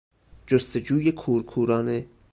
جستجوی کورکورانه